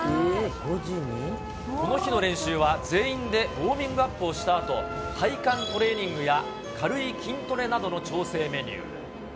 この日の練習は全員でウォーミングアップをしたあと、体幹トレーニングや、軽い筋トレなどの調整メニュー。